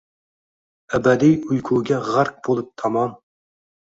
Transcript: Abadiy uyquga g’arq bo’lib tamom